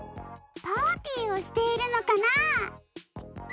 パーティーをしているのかな？